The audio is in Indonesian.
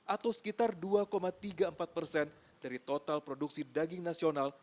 atau sekitar dua tiga puluh empat persen dari total produksi daging nasional